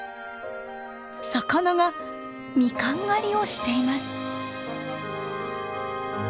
魚がミカン狩りをしています。